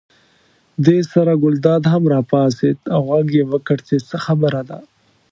دې سره ګلداد هم راپاڅېد او غږ یې وکړ چې څه خبره ده.